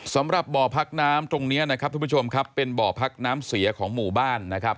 สำหรับบ่อพักน้ำตรงนี้นะครับทุกผู้ชมครับเป็นบ่อพักน้ำเสียของหมู่บ้านนะครับ